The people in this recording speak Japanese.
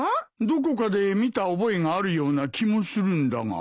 どこかで見た覚えがあるような気もするんだが。